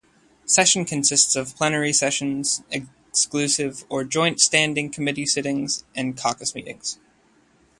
Session consists of plenary sessions, exclusive or joint Standing Committee sittings and caucus meetings.